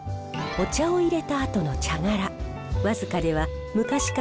お茶をいれたあとの茶殻。